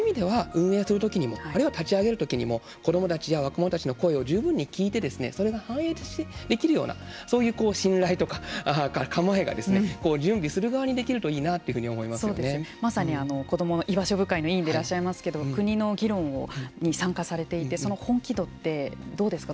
その意味では運営する時にはあるいは立ち上げるときにも子どもたちや若者たちの声を十分に聞いてそれを反映できるようなそういう信頼とか構えが準備する側にできるといいなまさにこどもの居場所部会の委員でいらっしゃいますけども国の議論に参加されていてその本気度ってどうですか。